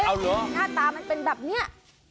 เอ๊ยจริงน่านะตามันเป็นแบบเนี่ย